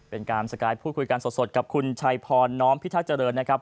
เป็นการสกายพูดคุยกันสดกับคุณชัยพรน้อมพิทักษ์เจริญนะครับ